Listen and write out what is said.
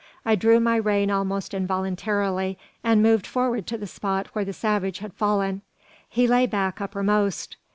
I drew my rein almost involuntarily, and moved forward to the spot where the savage had fallen. He lay back uppermost.